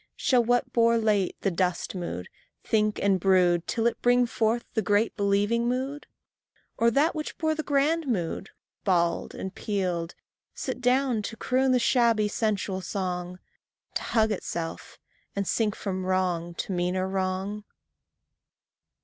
Shall what bore late the dust mood, think and brood Till it bring forth the great believing mood? Or that which bore the grand mood, bald and peeled, Sit down to croon the shabby sensual song, To hug itself, and sink from wrong to meaner wrong?